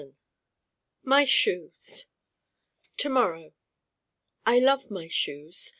My shoes To morrow I love my Shoes.